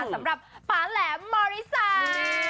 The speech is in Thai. สำหรับป่าแหลมมริสา